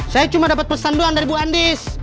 saya cuma dapat pesan doa dari bu andis